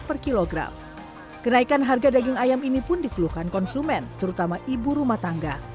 per kilogram kenaikan harga daging ayam ini pun dikeluhkan konsumen terutama ibu rumah tangga